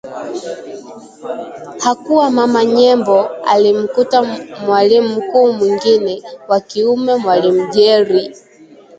hakua Mama Nyembo, alimkuta mwalimu mkuu mwingine wa kiume mwalimu Jeri